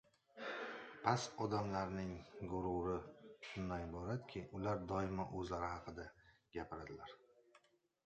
Past odamlarning g‘ururi shundan iboratki, ular doimo o‘zlari haqida gapiradilar